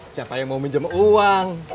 siapa yang mau minjem uang